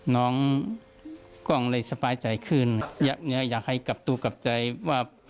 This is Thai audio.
น้องกล้องเลยสบายใจขึ้นอยากให้กลับตัวกลับใจว่า